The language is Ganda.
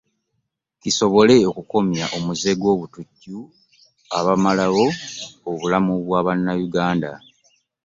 Kisobole okukomya omuze gw'obutujju abamalawo obulamu bwa bannayuganda